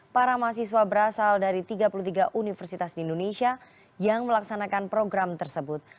para mahasiswa berasal dari tiga puluh tiga universitas di indonesia yang melaksanakan program tersebut